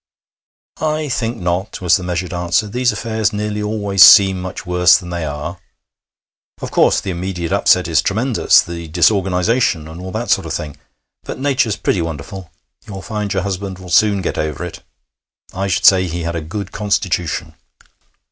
'I think not,' was the measured answer. 'These affairs nearly always seem much worse than they are. Of course, the immediate upset is tremendous the disorganization, and all that sort of thing. But Nature's pretty wonderful. You'll find your husband will soon get over it. I should say he had a good constitution.'